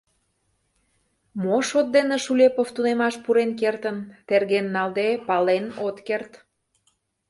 Мо шот дене Шулепов тунемаш пурен кертын — терген налде, пален от керт.